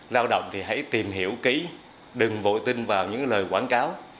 lao động thì hãy tìm hiểu kỹ đừng vội tin vào những lời quảng cáo